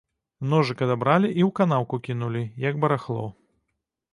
Ножык адабралі і ў канаўку кінулі, як барахло.